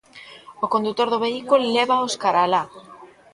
O condutor do vehículo lévaos cara alá.